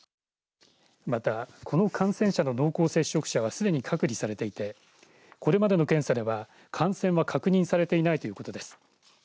また、この感染者の濃厚接触者はすでに隔離されていてこれまでの検査では感染は確認されていないということです。